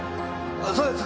そうです！